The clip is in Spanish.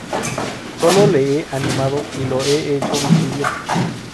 Solo lo he animado y lo he hecho visible".